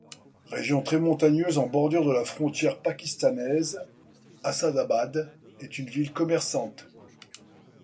Région très montagneuse en bordure de la frontière pakistanaise, Assadâbâd est une ville commerçante.